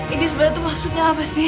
ini sebenarnya itu maksudnya apa sih